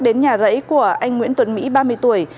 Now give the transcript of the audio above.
đến nhà rẫy của anh nguyễn tuấn mỹ ba mươi tuổi